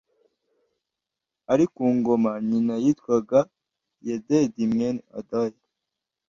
ari ku ngoma nyina yitwaga yedida mwene adaya